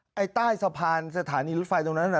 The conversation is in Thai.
ในใต้สะพานสถานีฤทธิ์ไฟตรงนั้น